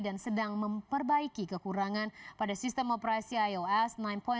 dan sedang memperbaiki kekurangan pada sistem operasi ios sembilan tiga